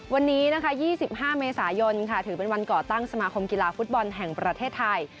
วันนี้นะคะ๒๕เมษายนถือเป็นวันก่อตั้งสมาคมกีฬาฟุตบอลแห่งประเทศไทย